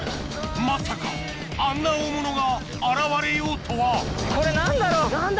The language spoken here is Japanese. まさかあんな大物が現れようとはこれ何だろ⁉何だ？